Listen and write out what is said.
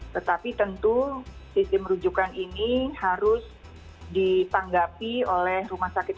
tetapi tentu sistem rujukan ini harus ditanggapi oleh rumah sakit